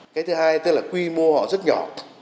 cái thứ hai tức là quy mô họ rất nhỏ